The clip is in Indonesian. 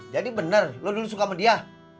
jadi bener lo dulu suka sama dia